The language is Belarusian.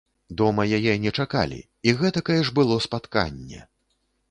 Дома яе не чакалі, і гэтакае ж было спатканне!